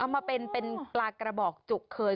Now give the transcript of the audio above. มาเป็นปลากระบอกจุกเคย